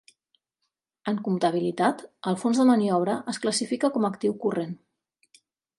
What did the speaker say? En comptabilitat, el fons de maniobra es classifica com a actiu corrent.